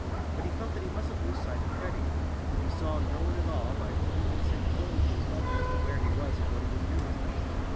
But he felt that he mustn't lose sight of Freddie. And he saw no one at all by whom he could send word to his mother as to where he was and what he was doing.